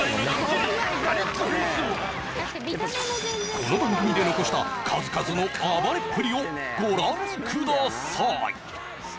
この番組で残した数々の暴れっぷりをご覧ください